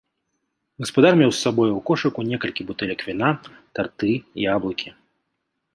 Гаспадар меў з сабою ў кошыку некалькі бутэлек віна, тарты, яблыкі.